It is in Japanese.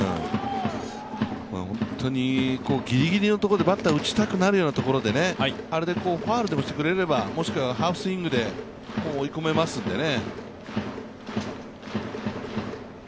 本当にギリギリのところでバッター打ちたくなるようなところで、あれでファウルでもしてくれれば、もしくはハーフスイングで追い込めますんでね。